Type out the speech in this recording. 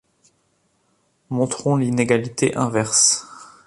Montrons l'inégalité inverse.